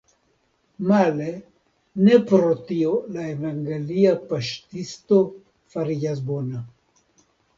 Male, ne pro tio la evangelia paŝtisto fariĝas bona.